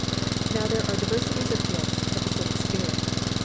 "Now there are diversities of gifts, but the same Spirit....